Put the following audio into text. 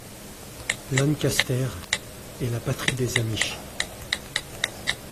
Lancaster est la patrie des Amish.